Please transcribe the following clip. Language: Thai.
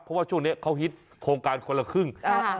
เพราะว่าช่วงนี้เขาฮิตโครงการคนละครึ่ง